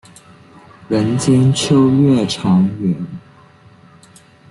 人间秋月长圆。